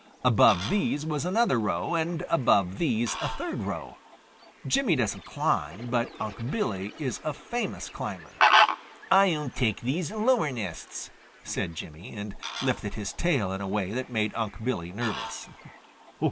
Above these was another row and above these a third row. Jimmy doesn't climb, but Unc' Billy is a famous climber. "I'll take these lower nests," said Jimmy, and lifted his tail in a way that made Unc' Billy nervous.